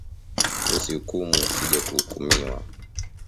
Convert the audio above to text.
Usi hukumu usije kuhukumiwa